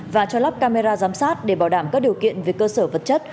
và cho lắp camera giám sát để bảo đảm các điều kiện về cơ sở vật chất